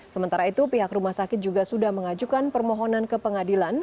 sementara itu pihak rumah sakit juga sudah mengajukan permohonan ke pengadilan